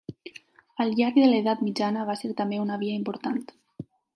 Al llarg de l'Edat Mitjana va ser també una via important.